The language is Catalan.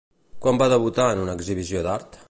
Quan va debutar en una exhibició d'art?